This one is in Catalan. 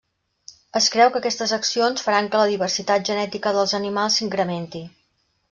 Es creu que aquestes accions faran que la diversitat genètica dels animals s'incrementi.